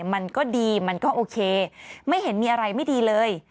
มันก็ดีมันก็โอเคไม่เห็นมีอะไรไม่ดีเลย